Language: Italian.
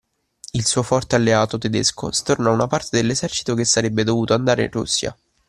Il suo forte alleato tedesco stornò una parte dell'esercito che sarebbe dovuto andare in Russia.